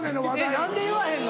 何で言わへんの？